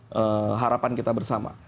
apakah sesuai dengan harapan kita bersama